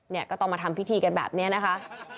เนี่ยก็ต้องมาทำพิธีกันแบบนี้นะคะ